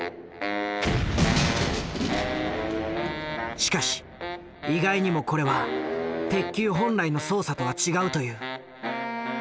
しかし意外にもこれは鉄球本来の操作とは違うという。